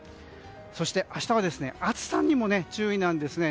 そして、明日は暑さにも注意なんですね。